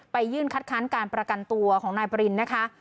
ยื่นคัดค้านการประกันตัวของนายปรินนะคะ